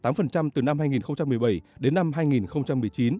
tăng trưởng xuất khẩu giảm tám từ năm hai nghìn một mươi bảy đến năm hai nghìn một mươi chín